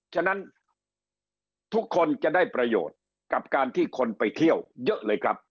ฉะนั้นทุกคนจะได้ประโยชน์กับการที่คนไปเที่ยวเยอะเลยครับ